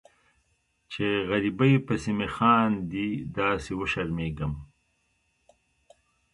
چې غریبۍ پسې مې خاندي داسې وشرمیږم